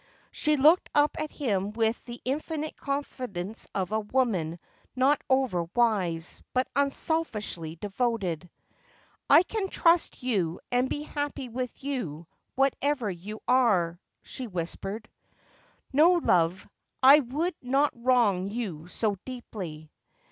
She looked up at him with the infinite confidence of a woman not over wise, but unselfishly devoted. ' I can trust you and be happy with you, whatever you are,' she whispered. ' No, love, I would not wrong you so deeply.'